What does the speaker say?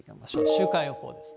週間予報です。